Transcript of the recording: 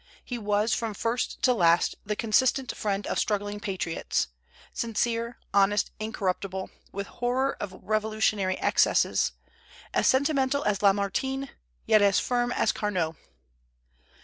He was from first to last the consistent friend of struggling patriots, sincere, honest, incorruptible, with horror of revolutionary excesses, as sentimental as Lamartine, yet as firm as Carnot.